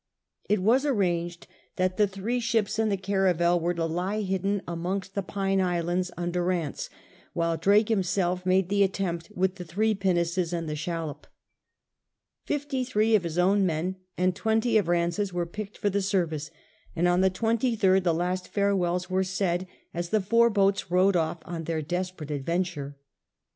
It was arranged that the three ships and the caravel were to lie hidden amongst the Pine Islands under Ranse, while Drake himself made the attempt with the three pinnaces and the shallop. Fifty three of his own men and twenty of Banse's were picked for the service, and on the 23rd the last farewells were said as the four boats rowed off on their desperate adventure.